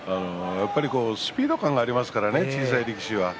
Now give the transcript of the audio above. スピード感がありますからね小さい力士は。